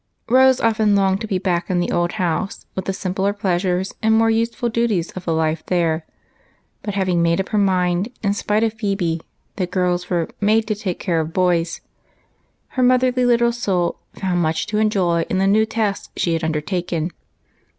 Rose often longed to be back in the old house, with the simpler pleasures and more useful duties of the life there ; but, having made up her mind, in spite of Phebe, that " girls were made to take care of boys," 282 EIGHT COUSINS. her motherly little soul found much to enjoy in the new task she had undertaken.